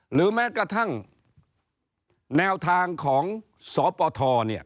หรือแม้กระทั่งแนวทางของศปท